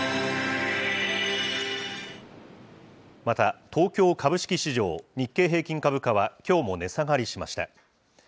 また東京株式市場、日経平均株価は、きょうも値下がりしました。